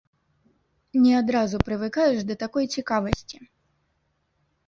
Не адразу прывыкаеш да такой цікавасці.